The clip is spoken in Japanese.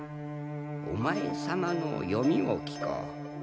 お前様の読みを聞こう。